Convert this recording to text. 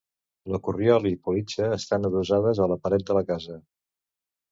La corriola i politja estan adossades a la paret de la casa.